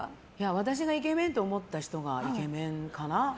私がイケメンって思った人がイケメンかな。